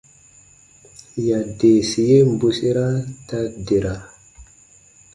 Yadeesi yen bwesera ta dera.